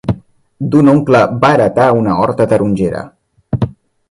D'un oncle va heretar una horta tarongera.